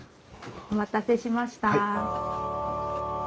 お待たせしました。